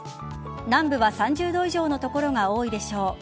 南部は３０度以上の所が多いでしょう。